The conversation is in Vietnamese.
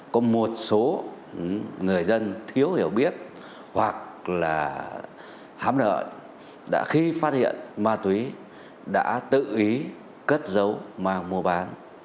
có một số người dân thiếu hiểu biết hoặc là hám nợ đã khi phát hiện ma túy đã tự ý cất dấu mang mua bán